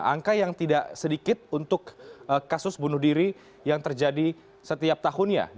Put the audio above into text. angka yang tidak sedikit untuk kasus bunuh diri yang terjadi setiap tahunnya